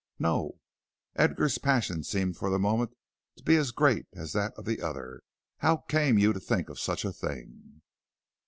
"No." Edgar's passion seemed for the moment to be as great as that of the other. "How came you to think of such a thing?"